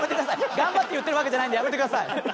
頑張って言ってるわけじゃないんでやめてください。